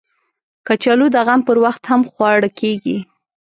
کچالو د غم پر وخت هم خواړه کېږي